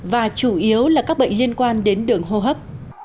và chủ yếu là các bệnh liên quan đến đường hô hấp